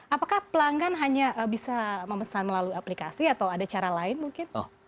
apakah pelanggan hanya bisa memesan melalui aplikasi atau ada cara lain mungkin